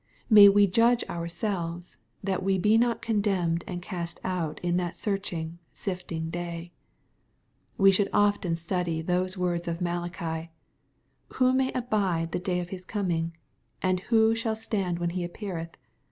May we judge ourselves, that we be not condemned and cast out in that searching and sifting day ! We should often study those words of Malachi :" Who may abide the day of His coming ? and who shall stand when He appeareth